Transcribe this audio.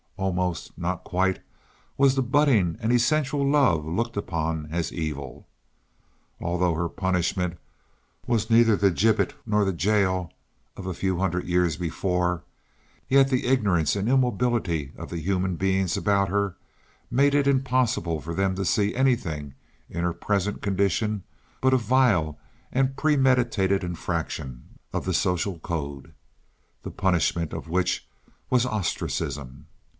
Almost, not quite, was the budding and essential love looked upon as evil. Although her punishment was neither the gibbet nor the jail of a few hundred years before, yet the ignorance and immobility of the human beings about her made it impossible for them to see anything in her present condition but a vile and premeditated infraction of the social code, the punishment of which was ostracism.